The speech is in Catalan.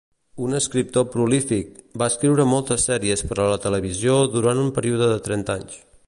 Un escriptor prolífic, va escriure moltes sèries per a la televisió durant un període de trenta anys.